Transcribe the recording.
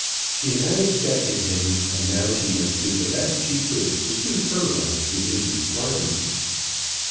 She had accepted him, and now she must do the best she could to suit her life to his requirements.